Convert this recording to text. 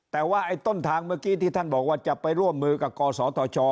แต่ว่าไอ้ต้นทางเมื่อกี้ที่ท่านบอกว่าจะไปร่วมมือกับกศธช